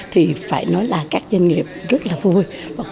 thì phải nói là các doanh nghiệp rất là vui